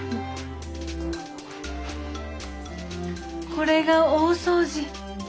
これが大掃除。